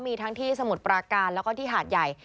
มีทั้งที่สมุทรปราการแล้วก็ที่หาดใหญ่